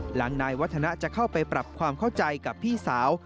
นายวัฒนะจะเข้าไปปรับความเข้าใจกับพี่สาว